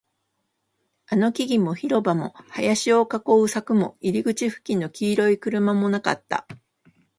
あの木々も、広場も、林を囲う柵も、入り口付近の黄色い車もなかった